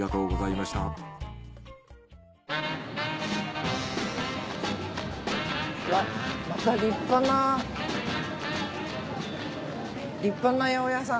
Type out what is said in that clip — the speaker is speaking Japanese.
また立派な立派な八百屋さん。